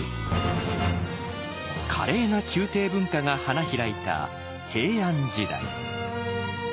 華麗な宮廷文化が花開いた平安時代。